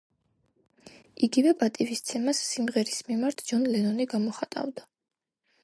იგივე პატივისცემას სიმღერის მიმართ ჯონ ლენონი გამოხატავდა.